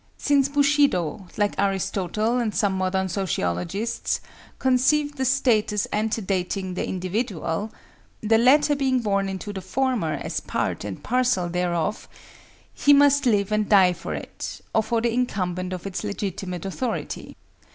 Since Bushido, like Aristotle and some modern sociologists, conceived the state as antedating the individual—the latter being born into the former as part and parcel thereof—he must live and die for it or for the incumbent of its legitimate authority.